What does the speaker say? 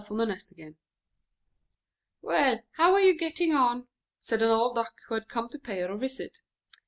And then she sat down again. "Well, and how are you getting on?" asked an old Duck, who had come to pay her a visit.